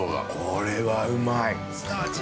これはうまい。